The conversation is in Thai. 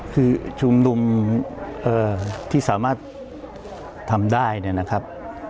คือชุมนุมที่สามารถทำได้เนี่ยนะครับ